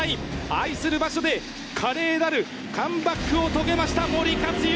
愛する場所で、華麗なるカムバックを遂げました、森且行。